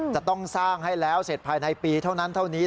จะต้องสร้างให้แล้วเสร็จภายในปีเท่านั้นเท่านี้